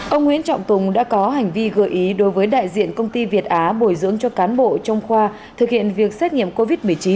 ông nguyễn trọng tùng đã có hành vi gợi ý đối với đại diện công ty việt á bồi dưỡng cho cán bộ trong khoa thực hiện việc xét nghiệm covid một mươi chín